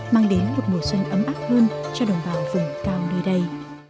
mang đến một mùa xuân ấm ác hơn cho đồng bào vùng cao đuôi đầy